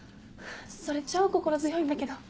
それ超心強いんだけど。